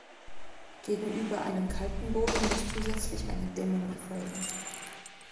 Gegenüber einem kalten Boden muss zusätzlich eine Dämmung erfolgen.